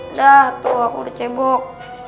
udah tuh aku udah cebok